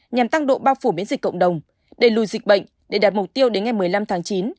nhằm tăng độ bao phủ miễn dịch cộng đồng đẩy lùi dịch bệnh để đạt mục tiêu đến ngày một mươi năm tháng chín